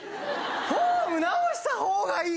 フォーム直した方がいい。